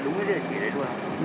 đúng địa chỉ đấy luôn ạ